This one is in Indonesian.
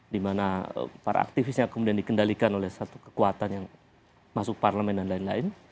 dimana para aktivisnya kemudian dikendalikan oleh satu kekuatan yang masuk parlemen dan lain lain